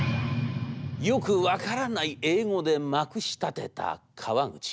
よく分からない英語でまくしたてた川口。